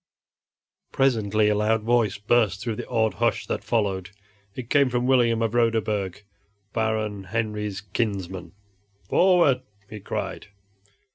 Presently a loud voice burst through the awed hush that followed. It came from William of Roderburg, Baron Henry's kinsman. "Forward!" he cried.